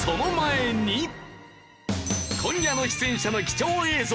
今夜の出演者の貴重映像。